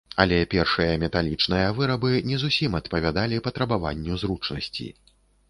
Але першыя металічныя вырабы не зусім адпавядалі патрабаванню зручнасці.